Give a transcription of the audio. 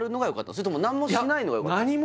それとも何もやんないのがよかったの？